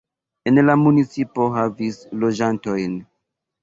En la municipo havis loĝantojn.